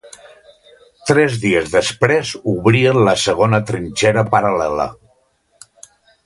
Tres dies després obrien la segona trinxera paral·lela.